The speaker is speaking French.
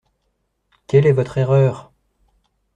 Quelle est votre erreur!